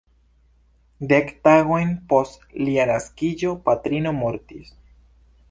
Dek tagojn post lia naskiĝo patrino mortis.